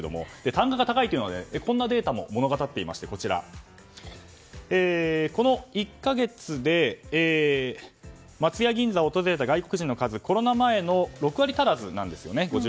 単価が高いというのはこんなデータも物語っていましてこの１か月で松屋銀座を訪れた外国人の数はコロナ前の６割足らずなんです。